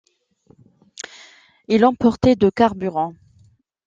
Il emportait de carburant.